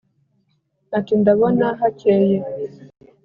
ati: “ndabona hakeye